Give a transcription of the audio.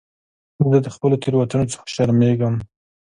زه د خپلو تېروتنو څخه شرمېږم.